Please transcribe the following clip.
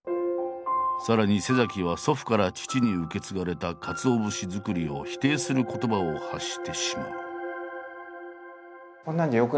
さらには祖父から父に受け継がれた鰹節作りを否定する言葉を発してしまう。